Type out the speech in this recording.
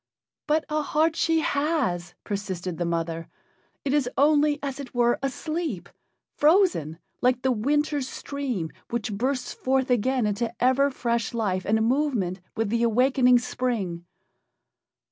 "But a heart she has," persisted the mother. "It is only, as it were, asleep frozen, like the winter stream which bursts forth again into ever fresh life and movement with the awaking spring."